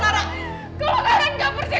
kalau kalian gak percaya